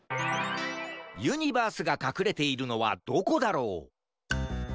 ユニバースがかくれているのはどこだろう？